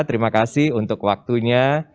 terima kasih untuk waktunya